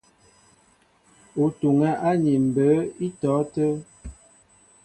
Ó tuŋɛ́ áni mbə̌ í tɔ̌ tə́ə́.